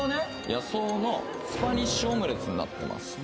野草のスパニッシュオムレツになってます